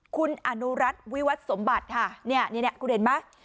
คุณอนุรัติวิวัตรสมบัติค่ะเนี่ยคุณเห็นไหม